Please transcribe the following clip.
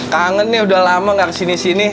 kangen nih udah lama gak kesini sini